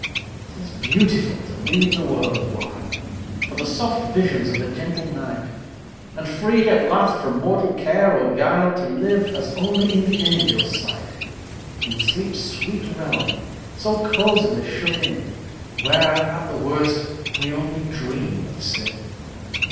'Tis beautiful to leave the world awhile For the soft visions of the gentle night; And free, at last, from mortal care or guile, To live as only in the angel's sight, In sleep's sweet realm so cosily shut in, Where, at the worst, we only dream of sin!